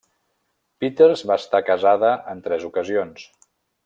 Peters va estar casada en tres ocasions.